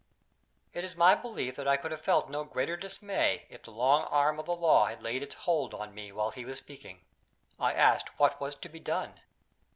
It is my belief that I could have felt no greater dismay, if the long arm of the Law had laid its hold on me while he was speaking. I asked what was to be done.